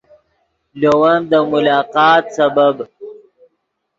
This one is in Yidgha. لے ون دے ملاقات سبب